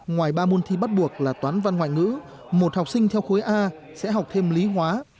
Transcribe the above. ngoài ba môn thi bắt buộc là toán văn ngoại ngữ một học sinh theo khối a sẽ học thêm lý hóa